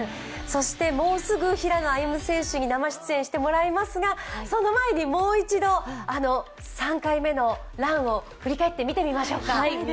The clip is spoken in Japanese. そしてもうすぐ平野歩夢選手の生出演していただきますが、その前にもう一度、あの３回目のランを振り返って見てみましょうか。